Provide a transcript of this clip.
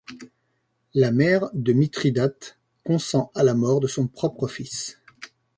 La mère de Mitridate consent à la mort de son propre fils.